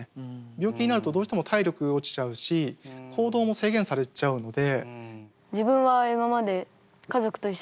病気になるとどうしても体力落ちちゃうし行動も制限されちゃうので。